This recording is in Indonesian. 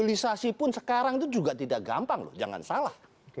mobilisasi pun sekarang itu juga tidak gampang loh jangan salah